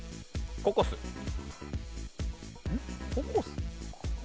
ココス？